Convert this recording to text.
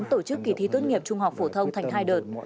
tổ chức kỳ thi tốt nghiệp trung học phổ thông thành hai đợt